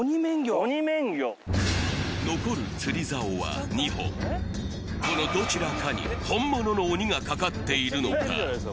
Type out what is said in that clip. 残る釣り竿は２本このどちらかに本物の鬼がかかっているのか？